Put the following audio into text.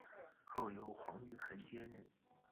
后由黄玉衡接任。